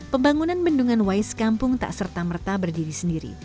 pembangunan bendungan y sekampung tak serta merta berdiri sendiri